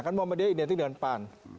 kan muhammadiyah identik dengan pan